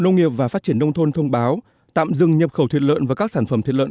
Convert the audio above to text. nông nghiệp và phát triển nông thôn thông báo tạm dừng nhập khẩu thịt lợn và các sản phẩm thịt lợn